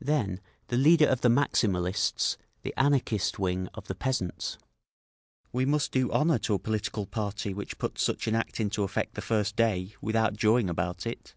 Then the leader of the Maximalists, the Anarchist wing of the peasants: "We must do honour to a political party which puts such an act into effect the first day, without jawing about it!"